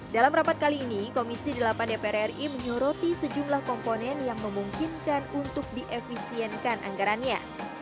dalam rapat kali ini komisi delapan dpr ri menyoroti sejumlah komponen yang memungkinkan untuk diefisienkan anggarannya